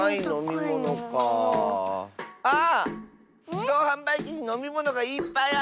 じどうはんばいきにのみものがいっぱいある！